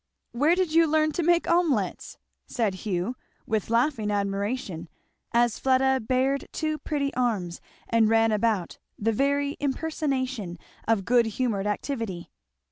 "Where did you learn to make omelettes?" said Hugh with laughing admiration, as Fleda bared two pretty arms and ran about the very impersonation of good humoured activity.